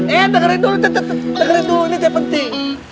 eh dengerin dulu ini dia penting